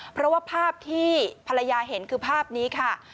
เพราะว่าภาพที่ภรรยาเห็นคือภาพนี้ค่ะ